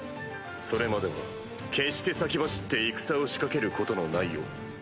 それまでは決して先走って戦を仕掛けることのないように。